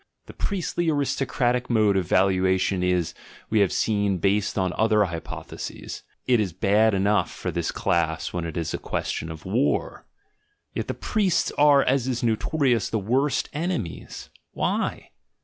The priestly aristocratic mode of valuation is — we have seen — based on other hypotheses: it is bad enough for this class when it is a question of war! Yet the priests are, as is notori ous, the worst enemies — why?